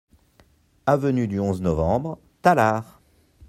Avenue du onze Novembre, Tallard